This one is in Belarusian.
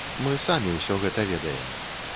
Мы самі ўсё гэта ведаем.